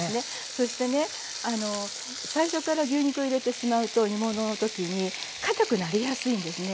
そしてね最初から牛肉を入れてしまうと煮物のときにかたくなりやすいんですね。